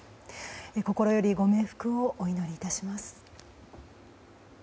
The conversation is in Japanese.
心よりご冥福をお祈りいたします。